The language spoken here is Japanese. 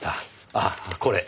ああこれ。